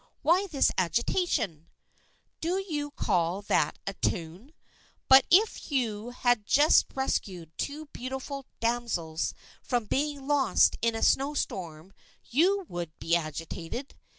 Why this agitation ?"" Do you call that a tune ? But if you had just rescued two beautiful damsels from being lost in a snow storm you would be agitated.